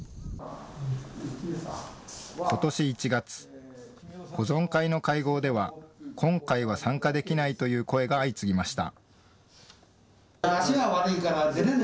ことし１月、保存会の会合では今回は参加できないという声が相次ぎました。